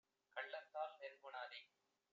கள்ளத்தால் நெருங் கொணாதே